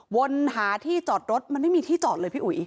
วนหาที่จอดรถมันไม่มีที่จอดเลยพี่อุ๋ย